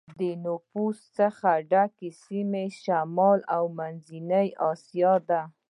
د نفوسو څخه ډکې سیمې شمالي او منځنی امریکا دي.